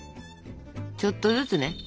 ちょっとずつね。